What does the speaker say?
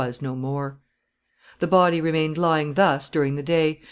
] The body remained lying thus during the day.